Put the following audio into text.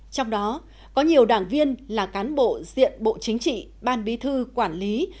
trong đó có nhiều đảng viên là cán bộ diện bộ chính trị ban bí thư quản lý